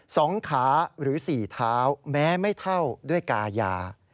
สองขาหรือสี่เท้าแม้ไม่เท่าด้วยกายา